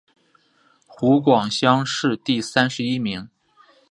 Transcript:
湖广乡试第三十一名。